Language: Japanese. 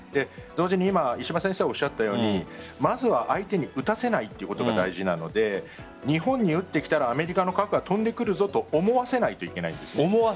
同時に今、石破先生がおっしゃったように、まず相手に撃たせないということが大事なので日本に撃ってきたらアメリカの核が飛んでくるぞと思わせないといけない。